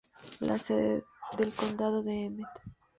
La sede del condado es Emmett.